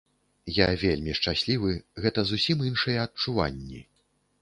Я вельмі шчаслівы, гэта зусім іншыя адчуванні.